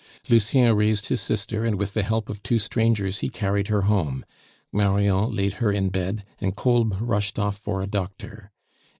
Lucien raised his sister, and with the help of two strangers he carried her home; Marion laid her in bed, and Kolb rushed off for a doctor.